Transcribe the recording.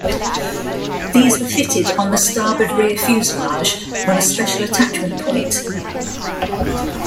These were fitted on the starboard rear fuselage on a special attachment point.